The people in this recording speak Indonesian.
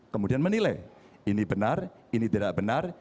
kemudian menilai ini benar ini tidak benar